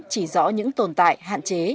chỉ rõ những tồn tại hạn chế